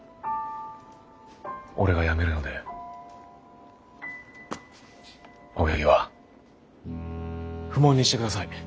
俺が辞めるので青柳は不問にしてください。